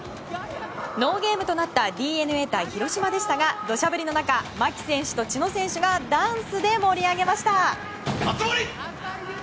ノーゲームとなったＤｅＮＡ対広島でしたが土砂降りの中牧選手と知野選手がダンスで盛り上げました。